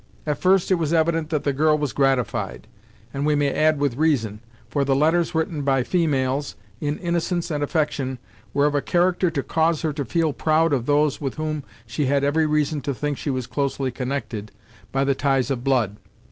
At first it was evident that the girl was gratified; and we may add with reason, for the letters written by females, in innocence and affection, were of a character to cause her to feel proud of those with whom she had every reason to think she was closely connected by the ties of blood.